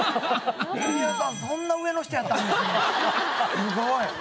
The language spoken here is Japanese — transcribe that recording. すごい。